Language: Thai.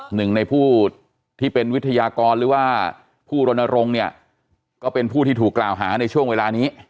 หนึ่งในผู้ที่เป็นวิทยากรหรือว่าผู้รณรงค์เนี่ยก็เป็นผู้ที่ถูกกล่าวหาในช่วงเวลานี้